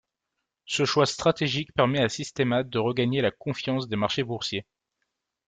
Ce choix stratégique permet à Systemat de regagner la confiance des marchés boursiers.